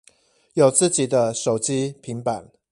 有自己的手機平板